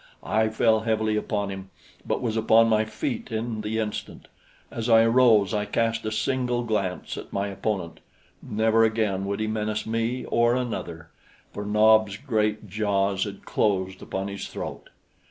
I fell heavily upon him, but was upon my feet in the instant. As I arose, I cast a single glance at my opponent. Never again would he menace me or another, for Nob's great jaws had closed upon his throat.